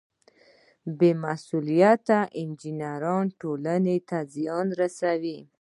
بې مسؤلیته انجینران ټولنې ته زیان رسوي.